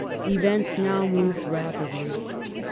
Events now moved rapidly.